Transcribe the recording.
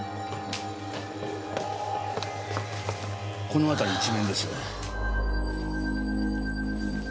この辺り一面です。